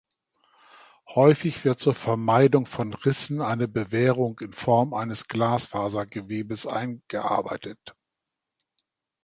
Häufig wird zur Vermeidung von Rissen eine Bewehrung in Form eines Glasfaser-Gewebes eingearbeitet.